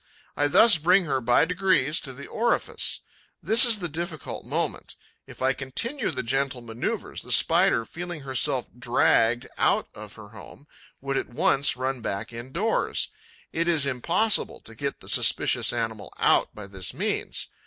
I thus bring her, by degrees, to the orifice. This is the difficult moment. If I continue the gentle movement, the Spider, feeling herself dragged out of her home, would at once run back indoors. It is impossible to get the suspicious animal out by this means.